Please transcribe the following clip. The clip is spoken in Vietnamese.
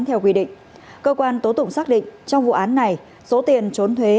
theo quy định cơ quan tố tụng xác định trong vụ án này số tiền trốn thuế